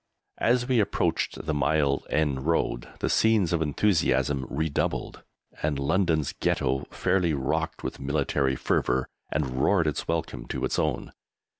As we approached the Mile End Road the scenes of enthusiasm redoubled, and London's Ghetto fairly rocked with military fervour and roared its welcome to its own.